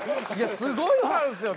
すごいファンっすよね。